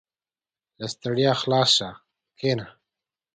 • له ستړیا خلاص شه، کښېنه.